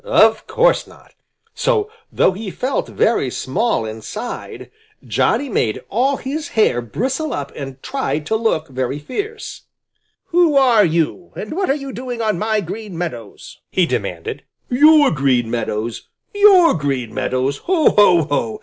Of course not! So, though he felt very small inside, Johnny made all his hair bristle up and tried to look very fierce. "Who are you and what are you doing on my Green Meadows?" he demanded. "Your Green Meadows! Your Green Meadows! Ho, ho, ho!